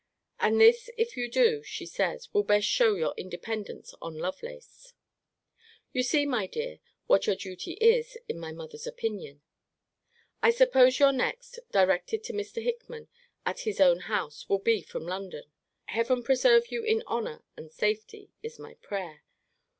And this if you do, she says, will best show your independence on Lovelace. You see, my dear, what your duty is, in my mother's opinion. I suppose your next, directed to Mr. Hickman, at his own house, will be from London. Heaven preserve you in honour and safety, is my prayer.